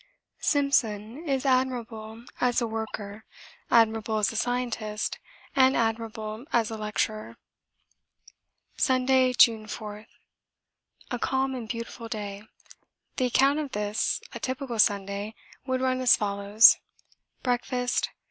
Simpson is admirable as a worker, admirable as a scientist, and admirable as a lecturer. Sunday, June 4. A calm and beautiful day. The account of this, a typical Sunday, would run as follows: Breakfast.